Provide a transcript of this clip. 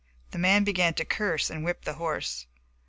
The man began to curse and whip the horse.